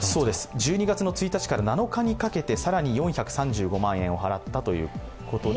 １２月１日から７日にかけて更に４３５万円を払ったということで。